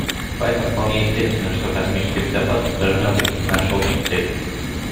Поэтому вполне естественно, что космическая безопасность должна быть нашей общей целью.